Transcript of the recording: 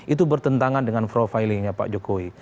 itu bertentangan dengan profilingnya pak jokowi